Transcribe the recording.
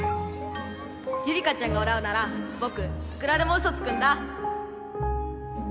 ゆりかちゃんが笑うなら僕いくらでもウソつくんだ